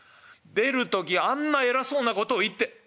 出る時あんな偉そうなことを言って。